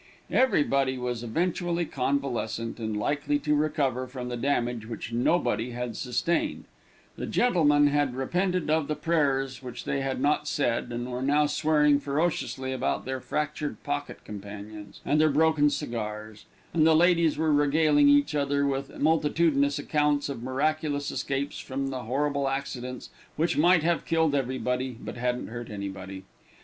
Everybody was eventually convalescent, and likely to recover from the damage which nobody had sustained; the gentlemen had repented of the prayers which they had not said, and were now swearing ferociously about their fractured pocket companions, and their broken cigars; and the ladies were regaling each other with multitudinous accounts of miraculous escapes from the horrible accidents which might have killed everybody, but hadn't hurt anybody.